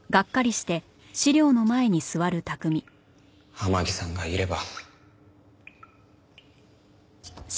天樹さんがいれば。